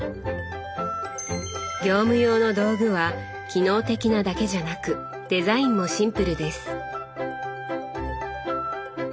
業務用の道具は機能的なだけじゃなくデザインもシンプルです。